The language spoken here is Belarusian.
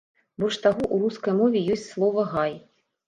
Больш таго, у рускай мове ёсць слова гай.